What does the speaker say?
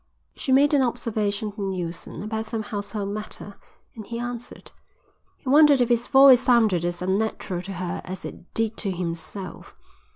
She made an observation to Neilson about some household matter and he answered. He wondered if his voice sounded as unnatural to her as it did to himself.